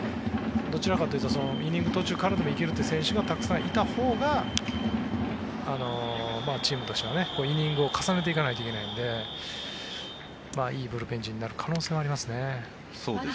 どちらかというとイニング途中からでもいけるという選手がたくさんいたほうがチームとしてはイニングを重ねていかないといけないのでいいブルペン陣になる可能性はありますね。